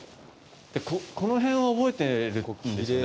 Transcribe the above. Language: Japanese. この辺を覚えてるんですよね。